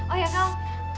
oh ya kal